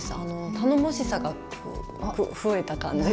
頼もしさが増えた感じというか。